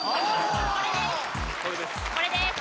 これです。